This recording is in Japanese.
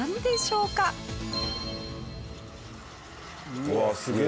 うわーすげえ。